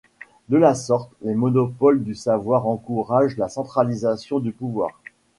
De la sorte, les monopoles du savoir encouragent la centralisation du pouvoir.